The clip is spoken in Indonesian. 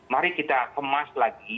mari kita kemas lagi